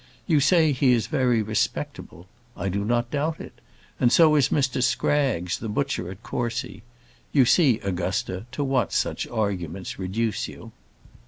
You say he is very respectable: I do not doubt it; and so is Mr Scraggs, the butcher at Courcy. You see, Augusta, to what such arguments reduce you.